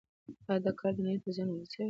آیا دا کار نړۍ ته زیان نه رسوي؟